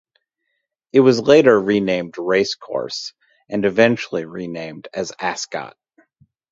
It was later renamed Racecourse and eventually renamed as Ascot.